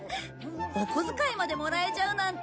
お小遣いまでもらえちゃうなんて